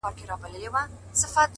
تا د ورځي زه د ځان كړمه جانـانـه.